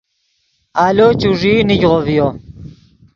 آلو چوݱیئی نیگغو ڤیو